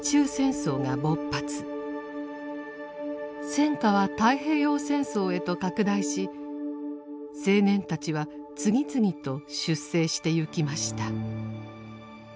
戦火は太平洋戦争へと拡大し青年たちは次々と出征してゆきました。